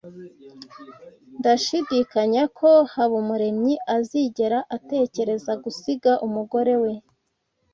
Ndashidikanya ko Habumuremyi azigera atekereza gusiga umugore we.